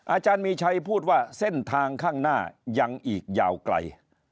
อาจารย์มีชัยพูดว่าเส้นทางข้างหน้ายังอีกยาวไกล